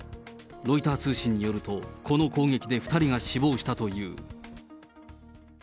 ロイター通信によると、この攻撃で２人が死亡したという。